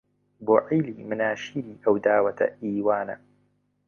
بۆ عێلی مناشیری ئەو داوەتە ئی وانە